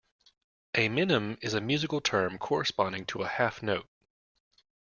A minim is a musical term corresponding to a half note.